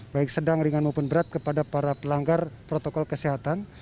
baik sedang ringan maupun berat kepada para pelanggar protokol kesehatan